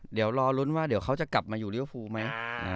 เดี๋ยวรอลุ้นว่าเดี๋ยวเขาจะกลับมาอยู่ริวฟูไหม